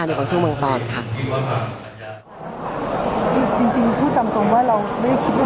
ในช่วงบังษัยครับ